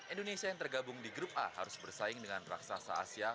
indonesia yang tergabung di grup a harus bersaing dengan raksasa asia